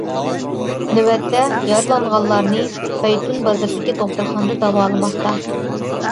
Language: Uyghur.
نۆۋەتتە يارىلانغانلارنى بەيتۈن بازىرىدىكى دوختۇرخانىدا داۋالىماقتا.